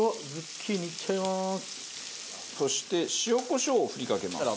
そして塩コショウを振りかけます。